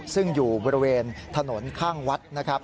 ซึ่งอยู่บริเวณถนนข้างวัดนะครับ